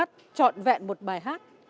chọn vẹn một bài hát